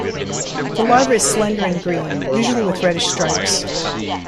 The larva is slender and green, usually with reddish stripes.